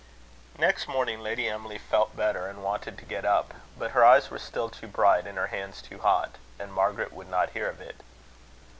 Next morning Lady Emily felt better, and wanted to get up: but her eyes were still too bright, and her hands too hot; and Margaret would not hear of it.